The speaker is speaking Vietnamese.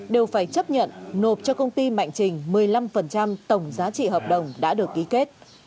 đều phải chấp nhận nộp cho công ty mạnh trình một mươi năm tổng giá trị hợp đồng đã được ký kết